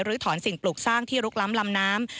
ถอนสิ่งปลูกสร้างที่ลุกล้ำลำน้ำ